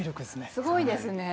すごいですね。